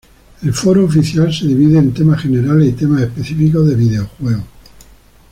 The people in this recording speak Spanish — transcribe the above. El foro oficial se divide en temas generales y temas específicos de videojuegos.